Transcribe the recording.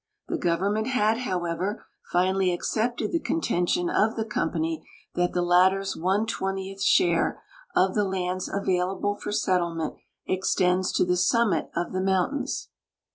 The government had, how ever, finally accepted the contention of the company that the latter's one twentieth share of the lands available for settlement extends to the summit of the mountains.